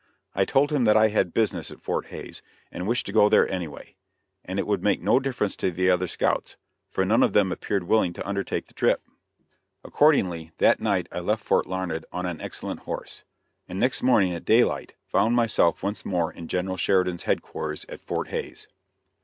I told him that I had business at Fort Hays, and wished to go there anyway, and it would make no difference to the other scouts, for none of them appeared willing to undertake the trip. Accordingly, that night I left Fort Larned on an excellent horse, and next morning at daylight found myself once more in General Sheridan's headquarters at Fort Hays.